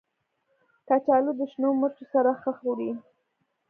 کچالو له شنو مرچو سره ښه خوري